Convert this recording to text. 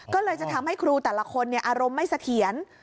ก็เลยจะทำให้ครูแต่ละคนอารมณ์ไม่เสถียร